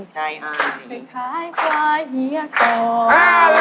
ฮาละ